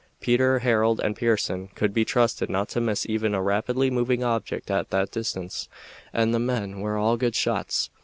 Peter, Harold, and Pearson could be trusted not to miss even a rapidly moving object at that distance, and the men were all good shots.